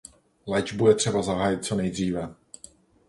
Léčbu je třeba zahájit co nejdříve.